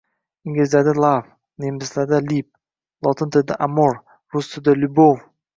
Inglizlarda-“Lav”, nemislarda-“Libe”, lotin tilida “Amor”, rus tilida “Lyubov”.